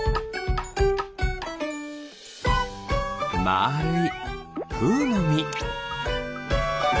まるいフウのみ。